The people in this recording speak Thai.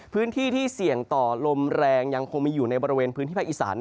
พื้นที่ที่เสี่ยงต่อลมแรงยังคงมีอยู่ในบริเวณพื้นที่ภาคอีสาน